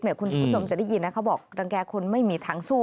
คุณผู้ชมจะได้ยินนะเขาบอกรังแก่คนไม่มีทางสู้